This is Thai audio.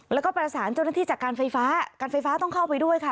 แล้วก็ประสานเจ้าหน้าที่จากการไฟฟ้าการไฟฟ้าต้องเข้าไปด้วยค่ะ